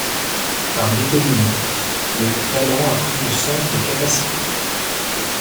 Par métonymie, le mot talent a pris le sens de capacité.